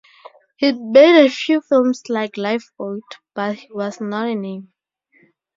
He'd made a few films, like "Lifeboat", but he was not a name.